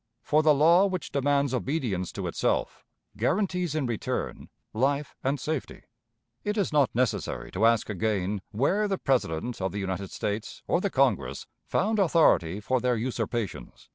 For the law which demands obedience to itself guarantees in return life and safety. It is not necessary to ask again where the President of the United States or the Congress found authority for their usurpations.